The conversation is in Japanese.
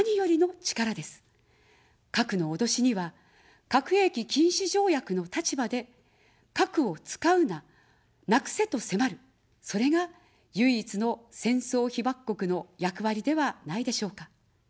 核の脅しには、核兵器禁止条約の立場で、核を使うな、なくせと迫る、それが唯一の戦争被爆国の役割ではないでしょうか。